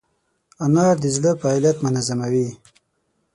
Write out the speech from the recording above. انار د زړه فعالیت منظموي.